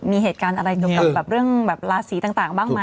มีเหตุการณ์อะไรอยู่กับของเรื่องราศีต่างบ้างไหม